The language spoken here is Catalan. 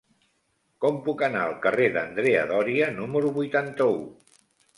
Com puc anar al carrer d'Andrea Doria número vuitanta-u?